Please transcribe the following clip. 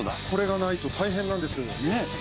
これがないと大変なんです。